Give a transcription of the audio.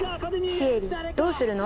シエリどうするの？